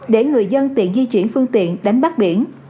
để người dân tiện di chuyển phương tiện đánh bắt biển